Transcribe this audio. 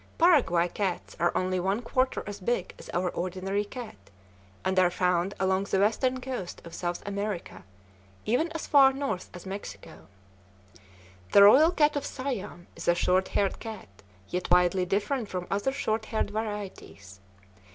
Paraguay cats are only one quarter as big as our ordinary cat, and are found along the western coast of South America, even as far north as Mexico. The royal cat of Siam is a short haired cat, yet widely different from other short haired varieties.